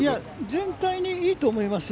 全体にいいと思います。